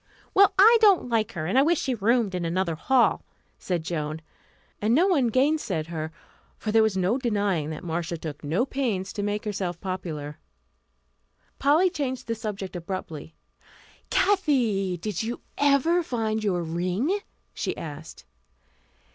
"Well, I don't like her, and I wish she roomed in another hall," said Joan; and no one gainsaid her, for there was no denying that Marcia took no pains to make herself popular. Polly changed the subject abruptly. "Kathy, did you ever find your ring?" she asked.